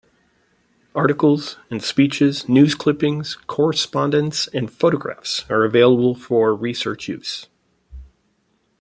Articles and speeches, news clippings, correspondence, and photographs are available for research use.